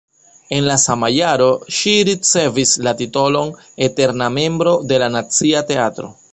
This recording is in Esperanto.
En la sama jaro ŝi ricevis la titolon eterna membro de la Nacia Teatro.